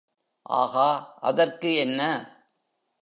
ஆகா, அதற்கு என்ன?